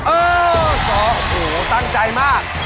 เออสอโอ้โหตั้งใจมาก